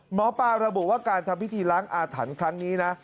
หมอปลาระบุว่าการทำพิธีล้างอาถรรพ์ครั้งนี้นะ